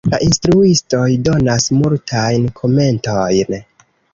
La instruistoj donas multajn komentojn.